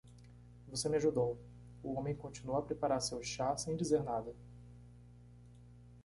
"Você me ajudou." O homem continuou a preparar seu chá sem dizer nada.